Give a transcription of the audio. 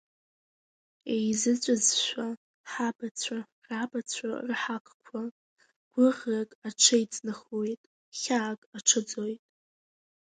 Еизыҵәазшәа ҳабацәа рабацәа рҳаққәа, гәыӷрак аҽеиҵнахуеит, хьаак аҽаӡоит.